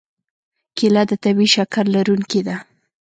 کېله د طبیعي شکر لرونکې ده.